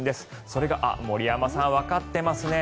それがあっ、森山さんわかっていますね。